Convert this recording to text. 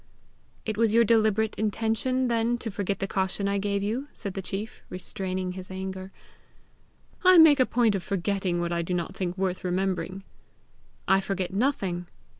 "It was your deliberate intention then to forget the caution I gave you?" said the chief, restraining his anger. "I make a point of forgetting what I do not think worth remembering." "I forget nothing!"